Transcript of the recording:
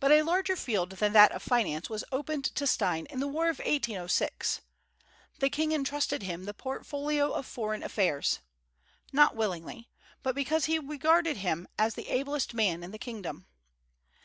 But a larger field than that of finance was opened to Stein in the war of 1806. The king intrusted to him the portfolio of foreign affairs, not willingly, but because he regarded him as the ablest man in the kingdom.